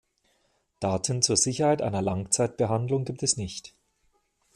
Daten zur Sicherheit einer Langzeitbehandlung gibt es nicht.